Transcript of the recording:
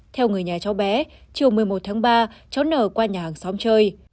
theo người nhà cháu bé chiều một mươi một tháng ba cháu nở qua nhà hàng xóm chơi